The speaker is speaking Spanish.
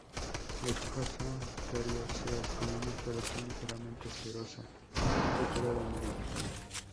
Las hojas son coriáceas, con una floración ligeramente cerosa, de color amarillo.